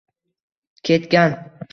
ketgan…